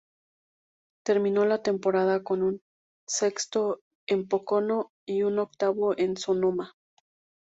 Terminó la temporada con un sexto en Pocono y un octavo en Sonoma.